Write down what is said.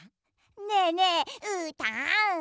ねえねえうーたん！